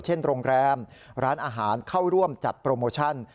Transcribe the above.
เช่นโรงแรมร้านอาหารเข้าร่วมจัดโปรโมชั่น